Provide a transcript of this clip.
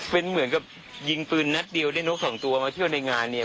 เป็นเหมือนกับยิงปืนนัดเดียวได้นกสองตัวมาเที่ยวในงานเนี่ย